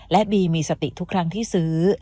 และบีมีสติทุกครั้งที่ซื้อ